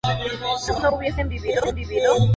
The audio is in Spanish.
¿ellos no hubiesen vivido?